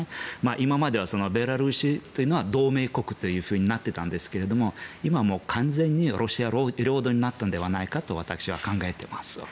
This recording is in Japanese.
今まではベラルーシというのは同盟国となっていたんですが今、もう完全にロシア領土になったんではないかと私は考えています。